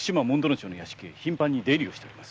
正の屋敷に出入りしております。